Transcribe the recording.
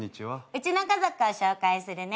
うちの家族を紹介するね。